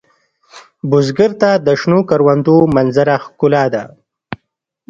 بزګر ته د شنو کروندو منظره ښکلا ده